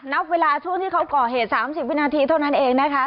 นับเวลาช่วงที่เขาก่อเหตุ๓๐วินาทีเท่านั้นเองนะคะ